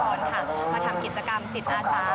มาทำกิจกรรมจิตอาสา